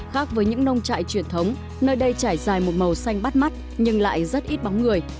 khác với những nông trại truyền thống nơi đây trải dài một màu xanh bắt mắt nhưng lại rất ít bóng người